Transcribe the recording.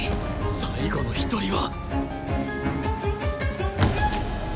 最後の１人は